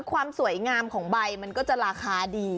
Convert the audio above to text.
ความสวยงามของใบมันก็จะราคาดี